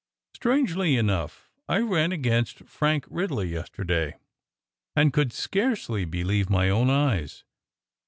Strangely enough, I ran against Frank Ridley yesterday, and could scarcely believe my own eyes.